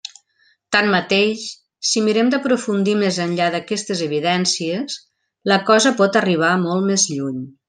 Tanmateix, si mirem d'aprofundir més enllà d'aquestes evidències, la cosa pot arribar molt més lluny.